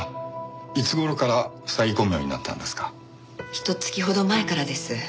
ひと月ほど前からです。